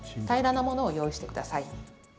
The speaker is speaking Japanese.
平らなものを用意してください。